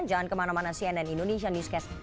jangan kemana mana cnn indonesia newscast